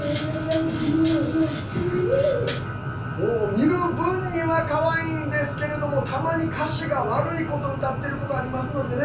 見る分にはかわいいんですけれどもたまに歌詞が悪いこと歌ってることありますのでね